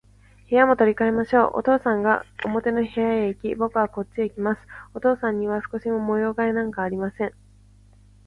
部屋も取り変えましょう。お父さんが表の部屋へいき、ぼくがこっちへきます。お父さんには少しも模様変えなんかありません。